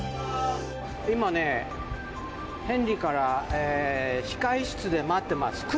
今、ヘンリーから控室で待ってますって。